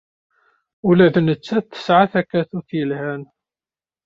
Ula d nettat tesɛa takatut yelhan.